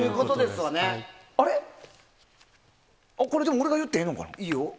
でもこれ俺が言ってええのかな？